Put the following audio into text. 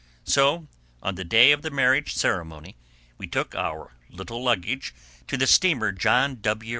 So, on the day of the marriage ceremony, we took our little luggage to the steamer _John W.